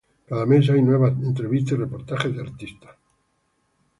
Cada mes hay nuevas entrevistas y reportajes de artistas.